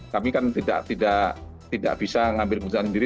kami kan tidak bisa ngambil keputusan sendiri